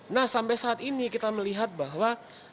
nah sampai saat ini kita melihat bahwa